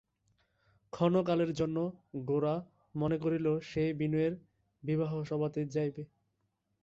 ক্ষণকালের জন্য গোরা মনে করিল সে বিনয়ের বিবাহসভাতেই যাইবে।